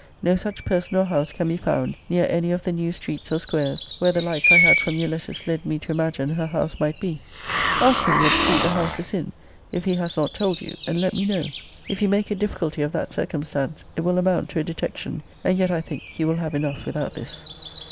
No such person or house can be found, near any of the new streets or squares, where the lights I had from your letters led me to imagine >>> her house might be. Ask him what street the house is in, if he has not told you; and let me >>> know. If he make a difficulty of that circumstance, it will amount to a detection. And yet, I think, you will have enough without this.